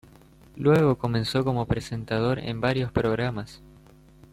Luego comenzó como presentador en varios programas.